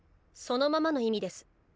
そのままの意味です。